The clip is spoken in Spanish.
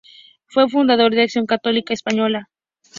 Fue fundador de Acción Católica española.